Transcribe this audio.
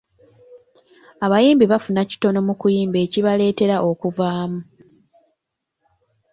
Abayimbi bafuna kitono mu kuyimba ekibaletera okukuvaamu.